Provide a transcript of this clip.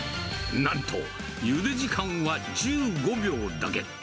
なんと、ゆで時間は１５秒だけ。